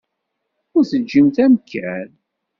Ur teǧǧimt amkan.